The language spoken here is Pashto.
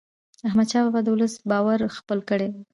احمدشاه بابا د ولس باور خپل کړی و.